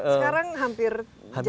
sekarang hampir jangka